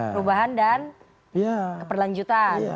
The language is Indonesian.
perubahan dan keperlanjutan